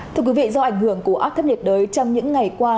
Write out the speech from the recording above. thưa quý vị do ảnh hưởng của áp thấp nhiệt đới trong những ngày qua